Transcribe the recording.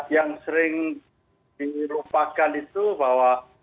yang sering dilupakan itu bahwa